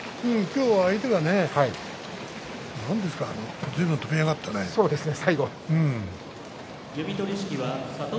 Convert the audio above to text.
今日は相手がね何ですか、ずいぶんと跳び上がったね。